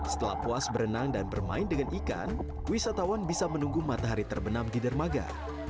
setelah puas berenang dan bermain dengan ikan wisatawan bisa menunggu matahari terbenam di dermaga